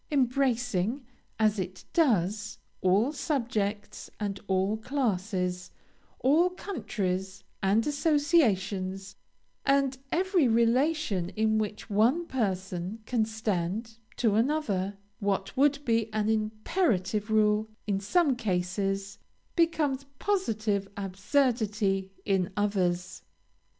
Embracing, as it does, all subjects and all classes, all countries and associations, and every relation in which one person can stand to another, what would be an imperative rule in some cases, becomes positive absurdity in others.